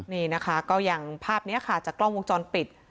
นี่นะคะก็อย่างภาพนี้ค่ะจากกล้องวงจรปิด